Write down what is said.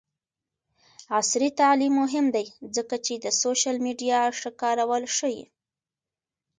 عصري تعلیم مهم دی ځکه چې د سوشل میډیا ښه کارول ښيي.